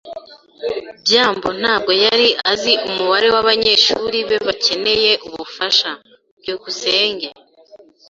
byambo ntabwo yari azi umubare wabanyeshuri be bakeneye ubufasha. byukusenge